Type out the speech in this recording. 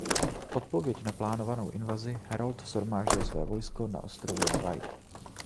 V odpověď na plánovanou invazi Harold shromáždil své vojsko na ostrově Wight.